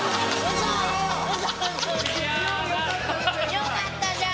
よかったじゃん！